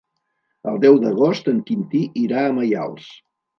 El deu d'agost en Quintí irà a Maials.